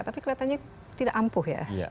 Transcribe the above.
tapi kelihatannya tidak ampuh ya